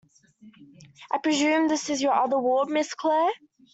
I presume this is your other ward, Miss Clare?